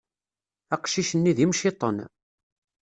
Aqcic-nni d imciṭṭen.